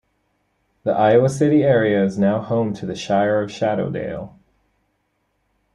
The Iowa City area is now home to the Shire of Shadowdale.